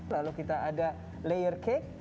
lalu kita ada layer cake